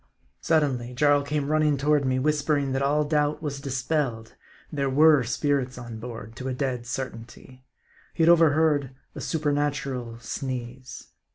Suddenly Jarl came running toward me, whispering that all doubt was dispelled ; there were spirits on board, to a dead certainty. He had overheard a supernatural sneeze.